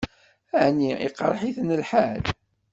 Ɛni iqṛeḥ-itent lḥal?